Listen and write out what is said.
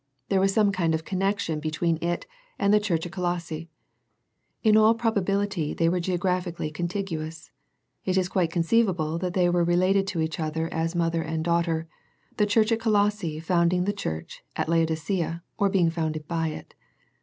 There was some kind of connec tion between it and the church at Colosse. In all probability they were geographically con tiguous. It is quite conceivable that they were related to each other as mother and daughter, the church at Colosse founding the church at Laodicea, or being founded by it.